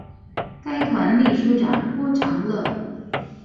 该团秘书长郭长乐。